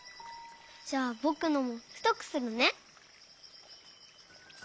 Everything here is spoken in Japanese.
じゃあぼくのもふとくするね。